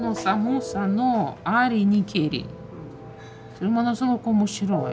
これものすごく面白い。